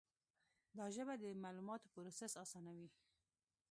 دا ژبه د معلوماتو پروسس آسانوي.